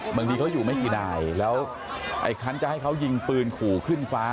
บางทีเขาอยู่ไม่กี่นายแล้วไอ้คันจะให้เขายิงปืนขู่ขึ้นฟ้า